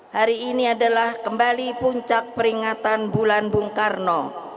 hari ini adalah kembali puncak peringatan bulan bung karno